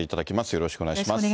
よろしくお願いします。